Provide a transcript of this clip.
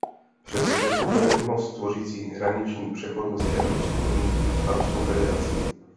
Přes řeku vede most tvořící hraniční přechod mezi Evropskou unií a Ruskou federací.